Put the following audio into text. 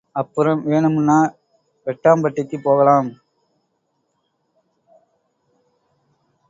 அப்புறம் வேணுமுன்னா வெட்டாம்பட்டிக்கு போகலாம்.